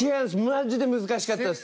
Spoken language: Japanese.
マジで難しかったです。